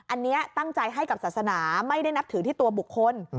อันนี้ตั้งใจให้กับศาสนาไม่ได้นับถือที่ตัวบุคคล